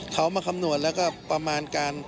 เขามาคำนวณแล้วก็ประมาณการ